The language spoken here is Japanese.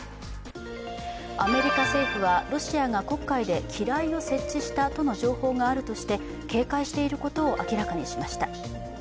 アメリカ政府はロシアが黒海で機雷を設置したとの情報があるとして警戒していることを明らかにしました。